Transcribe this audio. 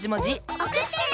おくってね！